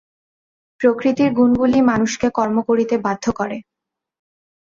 প্রকৃতির গুণগুলিই মানুষকে কর্ম করিতে বাধ্য করে।